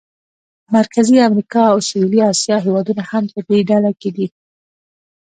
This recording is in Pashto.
مرکزي امریکا او سویلي اسیا هېوادونه هم په دې ډله کې دي.